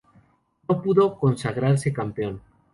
No pudo consagrarse campeón.